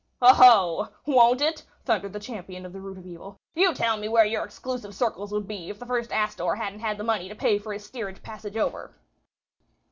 "Oho! won't it?" thundered the champion of the root of evil. "You tell me where your exclusive circles would be if the first Astor hadn't had the money to pay for his steerage passage over?"